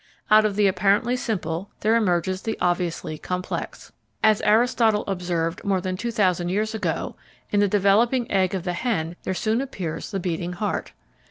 Out of the apparently simple there emerges the obviously complex. As Aristotle observed more than two thousand years ago, in the developing egg of the hen there soon appears the beating heart!